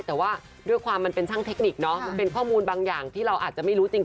แต่ว่าด้วยความมันเป็นช่างเทคนิคเนอะมันเป็นข้อมูลบางอย่างที่เราอาจจะไม่รู้จริง